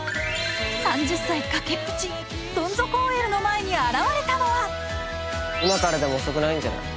３０歳崖っぷちドン底ＯＬの前に現れたのは今からでも遅くないんじゃない？